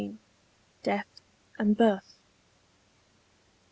DEATH AND BIRTH.